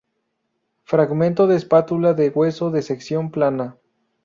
Fragmento de espátula de hueso de sección plana.